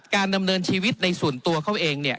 ดำเนินชีวิตในส่วนตัวเขาเองเนี่ย